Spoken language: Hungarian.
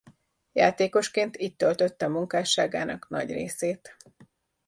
Játékosként itt töltötte munkásságának nagy részét.